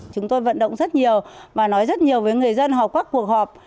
chúng tôi vận động rất nhiều và nói rất nhiều với người dân họ quắc cuộc họp